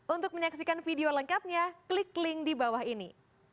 untuk menyaksikan video lengkapnya klik link di bawah ini